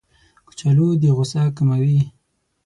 کچالو د غوسه کموي